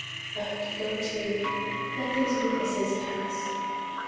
] But goe to, let these witnesses passe.